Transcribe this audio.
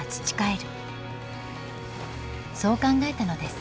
そう考えたのです。